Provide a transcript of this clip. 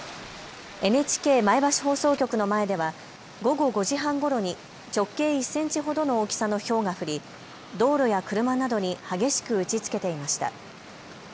ＮＨＫ前橋放送局の前では午後５時半ごろに直径１センチほどの大きさのひょうが降り道路や車などに激しく打ちつけていました。